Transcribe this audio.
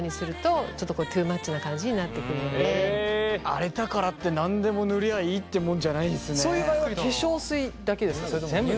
荒れたからって何でも塗りゃいいってもんじゃないんですね。